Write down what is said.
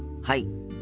はい。